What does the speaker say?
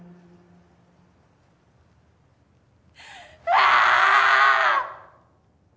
ああ！